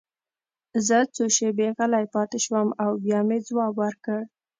زه څو شېبې غلی پاتې شوم او بیا مې ځواب ورکړ